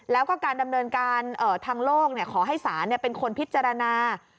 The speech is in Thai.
แล้วก็การดำเนินการทางโลกขอให้ศาลเป็นคนพิจารณา